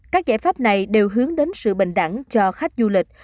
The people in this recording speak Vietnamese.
các giải pháp này đều hướng đến sự bình đẳng cho khách du lịch